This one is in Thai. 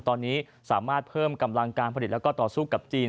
ตอนนี้สามารถเพิ่มกำลังการผลิตแล้วก็ต่อสู้กับจีน